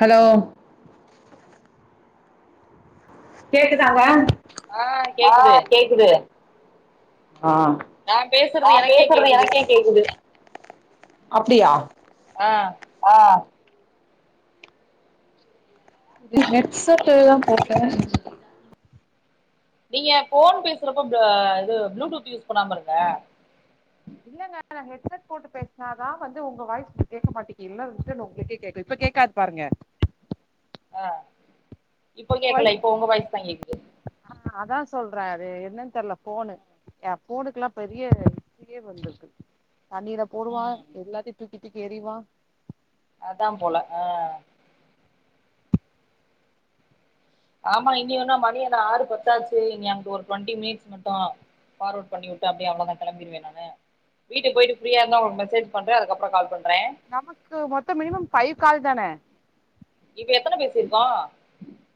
Hello கேக்குதாங்க ஆ கேக்குது ஆ நா நா பேசுறது எனக்கே பேசுறது கேக்குது எனக்கே கேக்குது ஆ ஆ இது ஹெட் செட்டுதா போட்டே நீங்க ஃபோன் பேசுறப்ப ப இது ப்ளூடூத் யூஸ் பண்ணாம இருங்க இல்லேங்க நா ஹெட்செட் போட்டு பேசுனாதா வந்து உங்க வாய்ஸ் உங்களுக் கேக்க மாட்டேக்கி இல்ல அது முஸ்ட்டே நோ உங்களுக்கே கேக்குது இப்ப கேக்காத் பாருங்க ஆ இப்போ கேக்கல இப்ப உங்க வாய்ஸ் தா கேக்குது ஆ அதா சொல்றே அது என்னன் தெர்ல ஃபோனு எயா ஃபோனுக்கெல்லா பெரிய இஸ்ட்ரியே வந்திருக்கு தண்ணீல போடுவா ம் எல்லாத்தையு தூக்கி தூக்கி எறிவா அதா போல ஆ ஆமா இனி என்ன மணி என்ன ஆறு பத்தாச்சு இனி அங்குட்டு ஒரு டுவெண்டி மினிட்ஸ் மட்டு ஃபார்வட் பண்ணி விட்டா அப்டியே அவ்ளதா கெளம்பிடுவே நானு வீட்டுக்‌‌ பொயிட்டு ஃப்ரீயா இருந்தா உனக்கு மெசேஜ் பண்றே அதுக்கப்றோ கால் பண்றே நமக்கு மொத்தம் மினிமம் ஃபை கால் தானே இப்ப எத்தன பேசிருக்கோ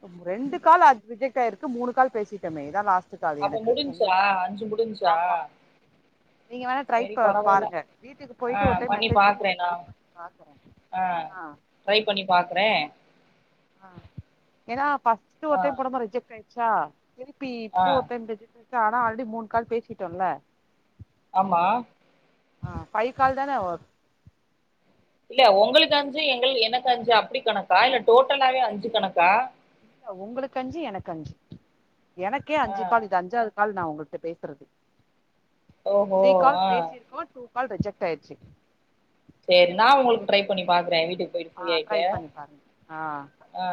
ம் ரெண்டு கால் அப்டேட் ஆயிருக்கு மூணு பேசிட்டமே இத்தா லாஸ்ட் ஒத்துக்காது அப்ப எனக்கு உங்க முடிஞ்ச்சா அஞ்சு முடிஞ்ச்சா நீங்க வேணா ட்ரை சரி பா‌ பரவால்ல பாருங்க வீட்டுக்கு ஆ பொயிட்டு ஒரு டைம் மெசேஜ் பண்ணி பாக்குறே நா ட்ரை பண்ணி பாக்குறே ஆ ட்ரை பண்ணி பாக்கறே ஆ ஏனா ஃபஸ்ட்டு ஒரு ஆ டைம் போடும்போது ரிஜெக்ட் ஆயிச்சா திருப்பி ஆ இப்போ ஒரு டைம் ரிஜெக் ரிஜெக்ட் ஆனா ஆல்ரெடி மூணு கால் பேசிட்டோல ஆமா ஆ ஃபை கால் தானே ஒருத் இல்ல உங்களுக்கு அஞ்சு எங்கள் எனக்கு அஞ்சு அப்டி கணக்கா இல்ல டோட்டலாவே அஞ்சு கணக்கா இல்ல உங்களுக்கு அஞ்சி எனக்கு அஞ்சி எனக்கே ஆ அஞ்சி கால் இது அஞ்சாது கால் நா உங்கள்ட பேசுறது ஓஹோ த்ரீ கால் ஆ பேசிருக்கோ டூ கால் ரிஜெக்ட் ஆயிர்சி சேரி நா உங்களுக்கு ட்ரை பண்ணி பாக்றே வீட்டுக்கு போயிட்டு ஃப்ரீ ஆயிட்டு ஆ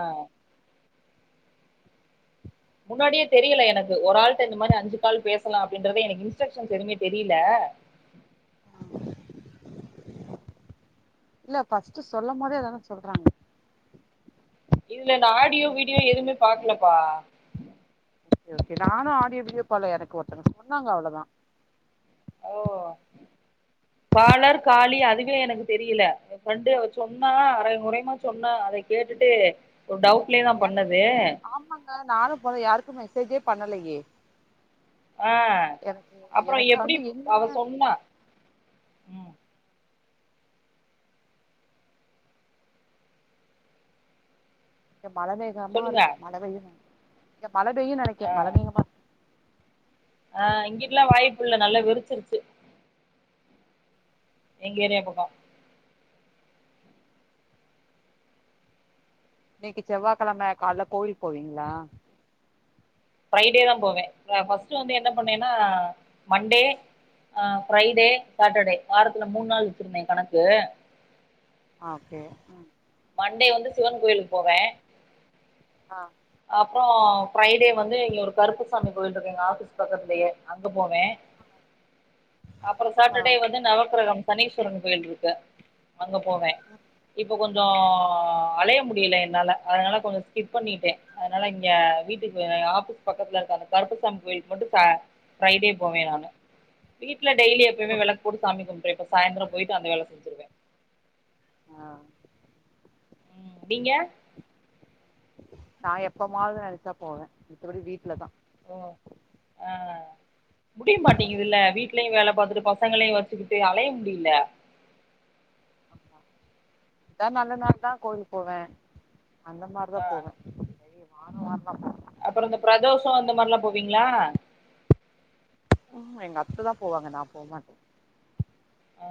முன்னாடியே தெரியல எனக்கு ஒரு ஆள்ட இந்த மாரி அஞ்சு கால் பேசலா அப்டின்றது எனக்கு இன்ஸ்ட்ரக்ஷன்ஸ் எதுவுமே தெரியில இல்ல ஃபர்ஸ்ட் சொல்லும் போதே அதானே சொல்றாங்க இதுல இந்த ஆடியோ வீடியோ எதுமே பாக்லப்பா ஓக்கே ஓக்கே நானு ஆடியோ வீடியோ பாக்லே எனக்கொருத்தங்க சொன்னாங்க அவ்ளதா பாலர் காலி அதுவே எனக்கு தெரியல எ ஃப்ரெண்டு அவ சொன்னா அரைங்குறையுமா சொன்னா அத கேட்டுட்டு ஒரு டவுட் ஆமாக்கா நானு போ யாருக்கு மெசேஜே பண்ணலயே ஆ அப்றோ எப்டிப் அவ சொன்னா ம் இங்க மழ சொல்லுங்க மேகமாருக்கு மழ பெய்யு நெனைக்கே இங்க மழ பெய்யு நெனைக்கே ஆ மழ மேகமாருக்கு ஆ இங்கிட்லா வாய்ப்பில்ல நல்லா வெறுச்சுருச்சு எங்க ஏரியா பக்கோ இன்னிக்கி செவ்வா கெழம கால்ல கோயில் போவீங்களா. ஃப்ரைடே தா போவே ஃபஸ்ட்டு வந்து என்ன பண்ணேனா மண்டே ஆ ஃப்ரைடே சாட்டர்டே வாரத்துல மூண் நாள் வச்சுருந்தே கணக்கு ஆ ஓகே மண்டே வந்து சிவன் கோயில்க்கு போவே ஆ அப்ரோ ஃப்ரைடே வந்து இங்க ஒரு கருப்பசாமி கோயிலிருக்கு எங்க ஆஃபீஸ் பக்கத்லயே அங்க போவே அப்ரோ சாட்டர்டே வந்து நவக்கிரகம் பன்னீஸ்வரன் கோயில்ருக்கு அங்க போவே இப்ப கொஞ்சோ அழய முடில என்னால அதனால கொஞ்சோ ஸ்கிப் பண்ணிட்டே அதனால இங்க வீட்டுக்கு ஆஃபீஸ் பக்கத்துலருக்க அந்த கருப்பசாமி கோயில்க்கு மட்டு பெ ஃப்ரைடே போவே நானு வீட்ல டெய்லி எப்பைமே வெளக்கு போட்டு சாமி கும்ட்ருவே இப்ப சாய்ந்தரம் பொயிட்டு அந்த வேல செஞ்சுருவே ஆ நீங்க நா எப்பமாது நெனச்சா போவே மித்தபடி வீட்லதா ஓ ஆ முடிய மாட்டீங்குதுல வீட்லயு வேல பாத்துட்டு பசங்களையு வச்சுக்குட்டு அலைய முடில ஆமா எதா நல்ல நாள்னா கோயில்க்‌கு போவே அந்த மாரிதா ஆ போவே செரி நானு வர்லா தா அப்றொ இந்த பிரதோஷோ அந்த மார்லா போவீங்களா ம் எங்க அத்த தா போவாங்க நா போமாட்ட ஆ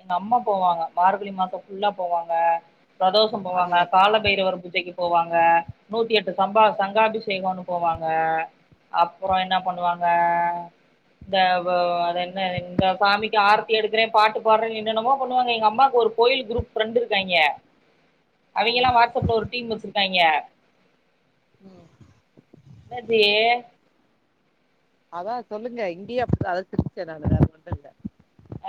எங்க அம்மா போவாங்க மார்கழி மாசோ ஃபுல்லா போவாங்க பிரதோஷ் போவாங்க கால இரவ் ஒரு பூஜைக்கு போவாங்க நூத்தி எட்டு சம்பா சங்காபிஷேகனு போவாங்க அப்றோ என்ன பண்ணுவாங்க இந்த அது என்ன இந்த சாமிக்கு ஆர்த்தி எடுக்றே பாட்டு பாட்ற என்னனமோ பண்ணுவாங்க எங்க அம்மாக்கு ஒரு கோயில் குரூப் ஃப்ரெண்டு இருக்காய்ங்க அவிங்கல்லா வாட்ஸ்அப்ல ஒரு டீம் வச்சிருக்காய்ங்க ம் என்ன டி அதா சொல்லுங்க இங்கயு அப்டிதா அதாது திருச்சி [unintelligible] வேற ஒன்னு இல்ல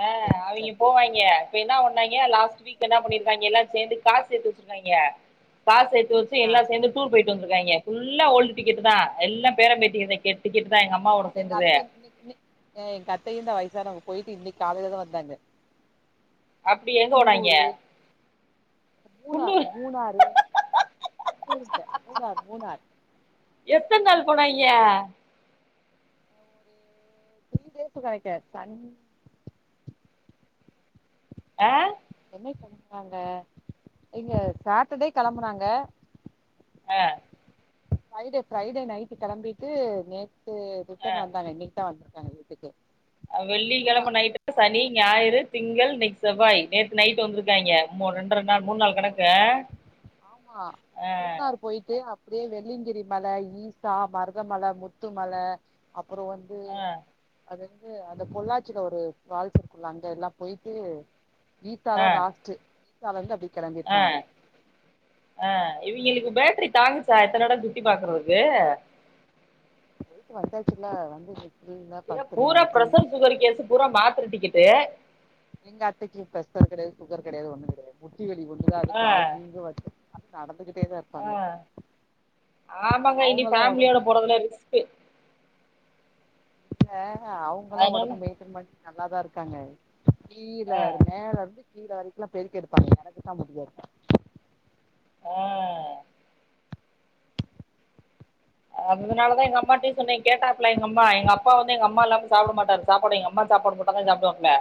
அ அவிங்க போ வாய்ங்க இப்ப என்ன ஒன்னாங்கிய லாஸ்ட் வீக் என்ன பண்ணிருக்காய்ங்க எல்லாரு சேந்து காஸ் சேத்வச்சுருக்காயிங்க காஸ் சேத்துவச்சு எல்லார் சேந்து டூர் பொயிட்டு வந்துருக்காய்ங்க ஃப்புல்லா ஓல்டு டிக்கெட்டு தா எல்லா பேர பேத்தி தா கெட்டிக்கெட் தா எங்க அம்மாவோட சேந்தது [inaudible] அ எங்க அத்தையு தா வயசானவங்க பொயிட்டு இன்னிக்காலைல தா வந்தாங்க அப்டி எங்க போனாய்ங்க மூணார் குன்னூர் மூணாறு டூரிஸ்டு மூணார் மூணார் எத்தன் நாள் போனாய்ங்க ஒரு த்ரீ டேஸ் நெனைக்க சன் அ என்னைக் கெளம்புனாங்க இங்க சாட்டர்டே கெளம்புனாங்க அ ஃப்ரைடே ஃப்ரைடே நைட் கெளம்பிட்டு நேத் விட்டு ரிட்டன் வந்தாங்க இன்னைக் தா வந்தாங்க வீட்டுக்கு வெள்ளிக்கிழம நைட்டுட்டு சனி ஞாயிறு திங்கள் இன்னைக்கு செவ்வாய் நேத்து நைட் வந்துருக்காங்கிய ஆமா ரெண்டற நாள் மூணு நாள் கணக்கு அ ஆ போயிட்டு அப்டியே வெள்ளிங்கிரி மல ஈசா மருதமல முத்துமல அப்புறோ வந்து ஆ அ அது வந்து அந்த பொள்ளாச்சியில ஒரு ஃபால்ஸ் இருக்குல்ல அங்க எல்லா போயிட்டு கீத்தா தா லாஸ்ட்டு கீத்தா வந்து அப்டி அ ஆ இவிங்களுக்கு பேட்டரி தாங்குச்சா எத்தன இடோ சுத்தி பாக்குறதுக்கு போயிட்டு வந்தாச்சுல்ல வந்து இது பூரா ப்ரெஷர் சுகர் கேஸ்ஸு பூரா மாத்தர டிக்கெட்டு எங்க அத்தைக்கு பெஸர் கெடையாது சுகர் கெடையாது ஒண்ணு கெடையாது முட்டி வெலி ஒண்ணுதா அது ஆ கால் வீங்க வச்ச அத்த நடந்துகிட்டே தா இரு ஆ ஆமாங்க இனி ஃபேமிலியோட போறதுல ரிஸ்க்கு இல்ல அவங்கெல்லா அதனால உடம்பு மெயின்டெயன் பண்ணி நல்லாதா இருக்காங்க கீழ ஆ மேல இருந்து கீழ வரைக்கு பெருக்கி எடுப்பாங்க எனக்கு தா முடியாது ஆ அதனால தா எங்க அம்மாட்டே சொன்ன கேட்டாப்பல எங்கம்மா எங்க அப்பா வந்து எங்க அம்மா இல்லாம சாப்பட மாட்டாரு சாப்பாடு எங்க அம்மா சாப்பாடு போட் டாதா சாப்டுவாப்ல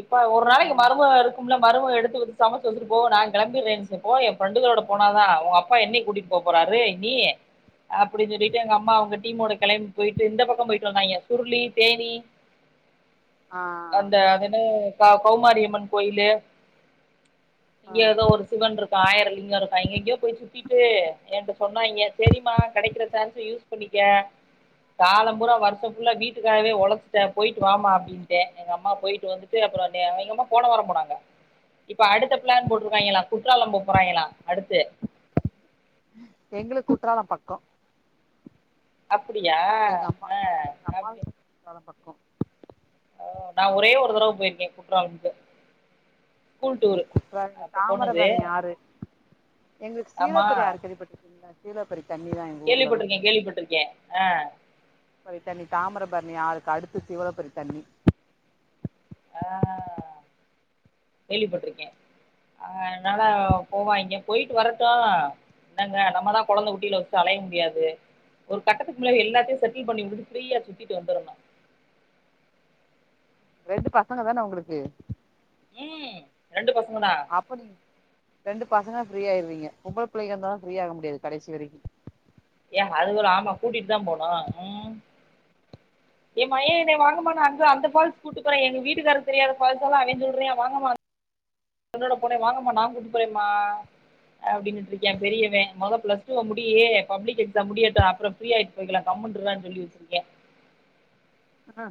இப்ப ஒரு நாளைக்கு மருமக இருக் குல மருமவ எடுத்து குடுத்து சமச்சு வச்சிட்டு போ நா கெளம்பிருவே என் ஃப்ரெண்டுகளோட போன தா உன் அப்பா என்னைக் கூட்டிட் போ போறாரு இனி அப்டின்னு சொல்லிட்டு எங்க அம்மா அவுங்க டீமோட கெளம்பி போயிட்டு இந்த பக்கோ போயிட்டு வந்தாங்கிய சுருளி தேனி ஆ அந்த அது என்ன கௌமாரியம்மன் கோயிலு இங்க ஏதோ ஒரு சிவன்ருக்கா ஆயிரோலிங்கோ இருக்கா எங்கெங்கயோ போய் சுத்திட்டு என்ட்ட சொன்னாய்ங்க செரி மா கெடைக்கிற சான்ஸ யூஸ் பண்ணிக்க காலோ பூரா வருஷோ ஃபுல்லா வீட்டுக்காகவே ஒழச்சுட்ட போயிட்டு வாமா அப்டி ந்தே எங்க அம்மா போய்ட்டு வந்துட்டு அப்றோ எங்க அம்மா போன வரோ போனாங்க இப்ப அடுத்த ப்ளான் போட்ருக்காய்ங்களா குற்றாலோ போ போறாய்ங்களா அடுத்து எங்களுக்கு குற்றாலோ பக்கோ அப்டியா ஆ அப்டி குற்றாலோ பக்கோ நா ஒரே ஒரு தடவ போயிருக்கே குற்றாலம்க்கு ஸ்கூல் ம் டூர் குற்றாலோ இந்த அப்ப போனது தாமரபரணி ஆறு எங்களுக்கு ஆமா சீலப்பறி ஆறு கேள்விபட்ருக்கீங்ளா சீலப்பறி தண்ணி தா எங்க ஊர்ல லா கேள்விப்பட்டிருக்கேன் கேள்விப்பட்டிருக்கேன் ஆ பறி தண்ணி தாமிரபரணி ஆறுக்கு அடுத்து சீவலப்பறி தண்ணி கேள்விப்பட்ருக்கே ஆ அதனால போவாய்ங்க போயிட்டு வரட்டு என்னங்க நம்மதா கொழந்த குட்டியில வச்சு அலைய முடியாது ஒரு கட்டத்துக்குள்ளல எல்லாத்தையு செட்டில் பண்ணி விட்டு ஃப்ரீயா சுத்திட்டு வந்தருனு ரெண்டு பசங்க தான உங்களுக்கு ம் ரெண்டு பசங்க தா அப்போ நீங்க ரெண்டு பசங்க ஃப்ரீ ஆயிறிங்க பொம்பள புள்ளைங்க இருந்தா ஃப்ரீய ஆக முடியாது கடைசி வரைக்கு ஏ அது ஒரு ஆமா கூட்டிட்டு தா போனு ம் எ மயே என்னய வாங்கமா நா அங்க அந்த ஃபால்ஸுக்கு கூட்டுபோறே எங்க வீட்டுக்காரர்க்கு தெரியாத ஃபால்ஸெல்லா அவெ சொல்றா வாங்கமா என்னோட பொண்ணு வாங்கம்மா நா கூட்டு போறேம்மா அப்டினுட்ருக்கா பெரியவே மொத ப்ளஸ் டூ வ முடி பப்ளிக் எக்ஸாம் முடியட்டு அப்றோ ஃப்ரீயாயிட்டு போய்க்கலா கம்முண்ணு இட்றானு சொல்லி வெச்சிருக்கே ஆ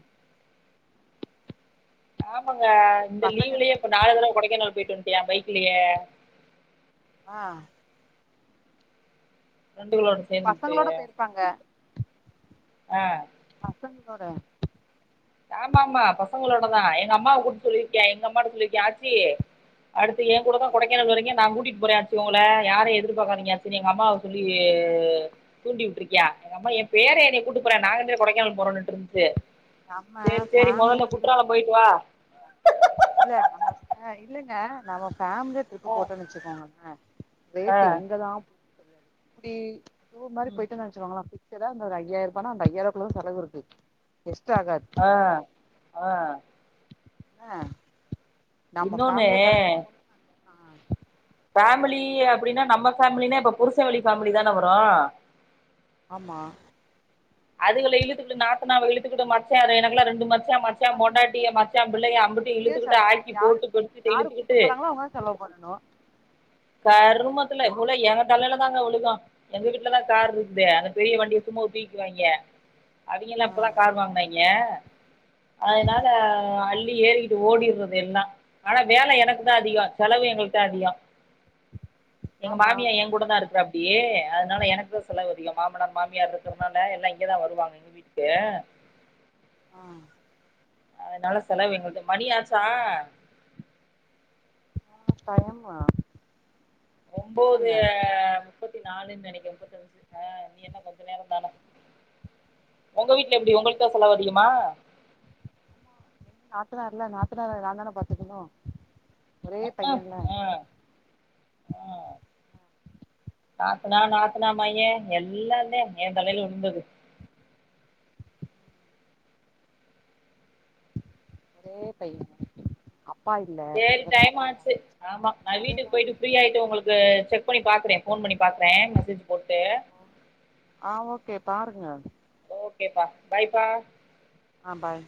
ஆமாங்க இந்த லீவ்லயே இப்ப நாலு தடவ கொடைக்கானல் போயிட்டு வந்துட்டியா பைக்லயே ஆ ஃப்ரெண்டுகளோடு பசங்களோட போய்ருப்பாங்க ஆ பசங்ளோட ஆமாமா பசங்களோட தா எங்க அம்மாவ கூப்ட்டு சொல்லிருக்யா எங்க அம்மாட்ட சொல்லிருக்யா ஆச்சி அடுத்து எ கூட தா கொடைக்கானல் வரீங்க நா கூட்டிட்டு போறே ஆச்சி ஒங்கள யாரையு எதிர்பாக்காதீங்க ஆச்சினு எங் அம்மாவ சொல்லி தூண்டி விட்டுருக்யா எங்க அம்மா எ பேரே என்ன கூட்டு போறா நாங்க ரெண்டு பேரு கொடைக்கானல் போறனுட்டுருந்துச்சு நம்மா பேம்லியா டிரிப் போயிட்டு வா இல்ல நம்ம ஆ இல்லங்க நம்ம ஃபேமிலியா ட்ரிப்பு ஆ போட்டோனு வச்சுக்கோங்கங்க ஆ ரேட்டு எங்கதா [inaudible] தெரியாது இப்டி டூர் மாரி ம் போய்ட்டோனு வச்சுக்கோங்களே ஃபிக்ஸ்ஸடா அந்த ஒரு ஐயாயிரூபானா அந்த ஐயாருவாக்குள்ள செலவிருக்கு எக்ஸ்ட்டா ஆகாது ஆ ஆ ஆ நம்ம இன்னொன்று ஃபேம்லியா கெலப்பிட்டு போணா [inaudible] ஃபேமூலி அப்டின்னா நம்ம ஃபேமிலினா இப்ப புருச வழி ஃபேமிலி தானே வரு ஆமா அதுகல இழுத்துக்கிட்டு நாத்தனாவ இழுத்துக்கிட்டு மச்சாரு எனக்குல்லா ரெண்டு மச்சா சா பொண்டாட்டிய மச்சா பிள்ளைக அம்புட்டயு இழுத்துக்கிட்டு ஆக்கி போட்டு [unintelligible] இழுத்துக்கிட்டு கருமத்துல போல எங்கத் தலைல தாங்க விழுகு எங்க வீட்ல தா கார் இருக்குதே அந்த பெரிய வண்டி சுமோவ தூ க்குவாய்ங்க அவிங்கெல்லா இப்பத்தா கார் வாங்குனாய்ங்க அதனால அள்ளி ஏறி ஓடிற்றது எல்லா ஆனா வேல எனக்கு தா அதிகோ செலவு எங்களுக்கு தா அதிகோ எங்க மாமியா என் கூட தா இருக்கறாப்டி அதனால எனக்கு தா செலவு அதிகோ மாமனார் மாமியார் இருக்கற இங்கதா வருவாங்க எங்க வீட்டுக்கு ஆ அதனால செலவு எங்கள்து மணியாச்சா ஆஹ் டயம்மா ஒன்போது முப்பத்தி நாலுன் நெனைக்கிற முப்பத்தஞ்சு ஆஹ் நீ என்ன கொஞ்ச நேரோந் தானே உங்க வீட்டுல எப்டி உங்களுக்குதா செலவு அதிகமா நாத்தநார் இல்ல நாத்தநார நா தானே பாத்துக்கணு உக்கு ஹ் ஹ் நாத்தனா நாத்தனா மயே எல்லாந்தே என் தலையில விழுந்தது ஒரே பைய அப்பா இல்ல சேரி டைம் ஆச்சு ஆமா நா வீட்டுக்கு போய்ட்டு ஃப்ரீயாய்ட்டு உங்களுக்கு செக் பண்ணி பாக்குறே ஃபோன் பண்ணி பாக்குறே மெசேஜ் போட்டு ஆ ஓகே பாருங்க ஓகேப்பா பாய்ப்பா ஆ பாய்